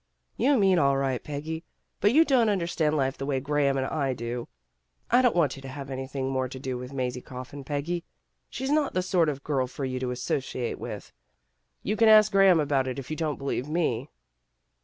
You mean all right, Peggy, but you don't understand life the way Graham and I do. I don't want you to have anything more to do with Mazie Coffin, Peggy. She's not the sort of girl for you to associate with. You can ask Graham about it if you don't be lieve me."